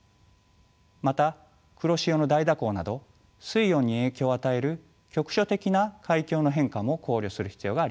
また黒潮の大蛇行など水温に影響を与える局所的な海況の変化も考慮する必要があります。